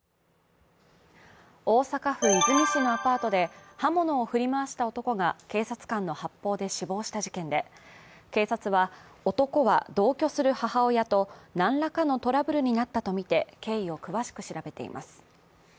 大阪府和泉市のアパートで刃物を振り回した男が警察官の発砲で死亡した事件で、警察は、男は同居する母親と何らかのトラブルになったとみて経緯を詳しく調べています。